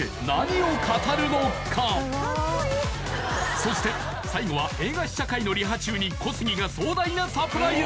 そして最後は映画試写会のリハ中に小杉が壮大なサプライズ！